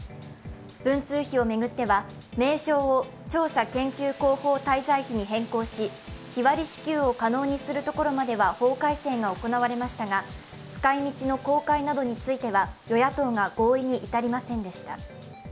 文通費を巡っては名称を調査研究広報滞在費に変更し日割り支給を可能にするところまでは法改正が行われましたが使い道の公開などについては、与野党が合意に至りませんでした。